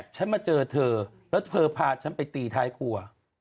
๒๕๔๘ฉันมาเจอเธอและเธอพาฉันไปตีทายขัว